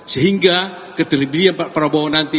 sehingga ketelibian para perempuan nanti